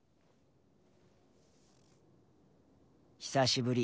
久しぶり。